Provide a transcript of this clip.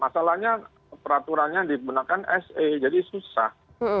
masalahnya peraturannya digunakan se jadi susah